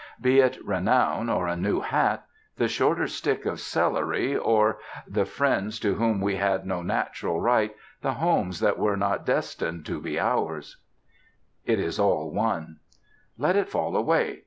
Be it renown or a new hat, the shorter stick of celery, or "The friends to whom we had no natural right, The homes that were not destined to be ours," it is all one: let it fall away!